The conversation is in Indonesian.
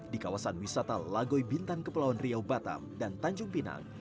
di kawasan wisata lagoibintan kepelawan riau batam dan tanjung pinang